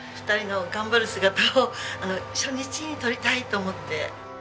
２人の頑張る姿を初日に撮りたいと思って。